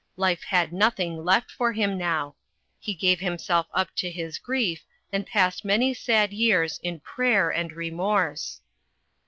Life had nothing left for him now. He gave himself up to his grief, and passed many sad years in prayer and remorse.